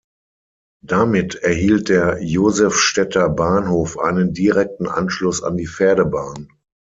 Damit erhielt der Josefstädter Bahnhof einen direkten Anschluss an die Pferdebahn.